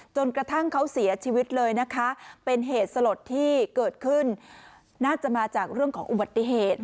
จนกระทั่งเขาเสียชีวิตเลยนะคะเป็นเหตุสลดที่เกิดขึ้นน่าจะมาจากเรื่องของอุบัติเหตุ